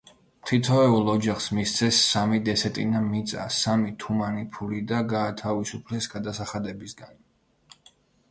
თითოეულ ოჯახს მისცეს სამი დესეტინა მიწა, სამი თუმანი ფული და გაათავისუფლეს გადასახადებისგან.